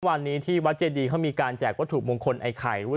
วันนี้ที่วัดเจดีเขามีการแจกวัตถุมงคลไอ้ไข่